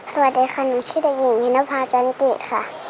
สวัสดีค่ะหนูชื่อเด็กหญิงชินภาจันเกตค่ะ